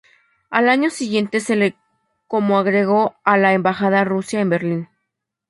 Al año siguiente se le como agregado a la embajada rusa en Berlín.